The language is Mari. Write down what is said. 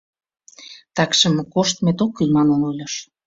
Такшым «коштмет ок кӱл» манын ойлыш.